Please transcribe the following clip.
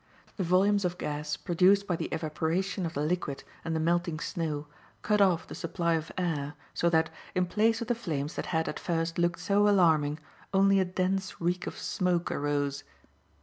The volumes of gas produced by the evaporation of the liquid and the melting snow, cut off the supply of air so that, in place of the flames that had, at first, looked so alarming, only a dense reek of smoke arose.